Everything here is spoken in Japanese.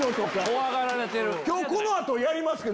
怖がられてる。